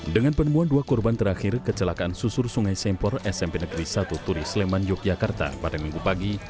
dengan penemuan dua korban terakhir kecelakaan susur sungai sempor smp negeri satu turi sleman yogyakarta pada minggu pagi